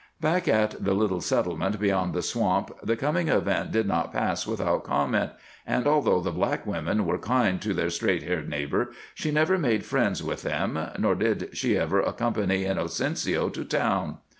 Back at the little settlement beyond the swamp the coming event did not pass without comment, and although the black women were kind to their straight haired neighbor, she never made friends with them, nor did she ever accompany Inocencio to town.